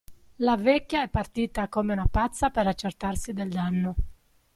La vecchia è partita come una pazza per accertarsi del danno.